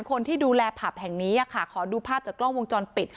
คนที่ดูแลผับแห่งนี้ค่ะขอดูภาพจากกล้องวงจรปิด